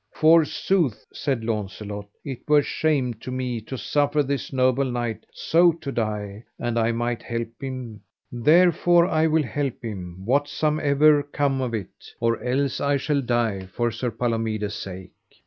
Forsooth, said Launcelot, it were shame to me to suffer this noble knight so to die an I might help him, therefore I will help him whatsomever come of it, or else I shall die for Sir Palomides' sake.